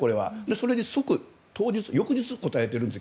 それに翌日答えているんです。